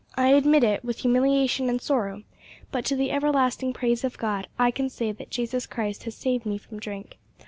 I admit it, with humiliation and sorrow; but, to the everlasting praise of God, I can say that Jesus Christ has saved me from drink.